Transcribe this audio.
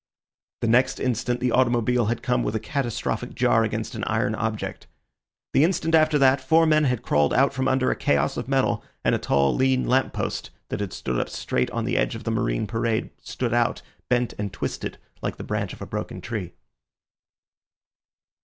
The next instant the automobile had come with a catastrophic jar against an iron object. The instant after that four men had crawled out from under a chaos of metal, and a tall lean lamp post that had stood up straight on the edge of the marine parade stood out, bent and twisted, like the branch of a broken tree.